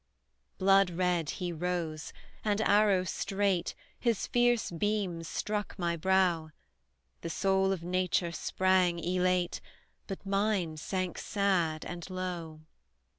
Blood red, he rose, and, arrow straight, His fierce beams struck my brow; The soul of nature sprang, elate, But mine sank sad and low!